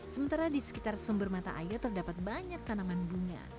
sementara di sekitar sumber mata air terdapat banyak tanaman bunga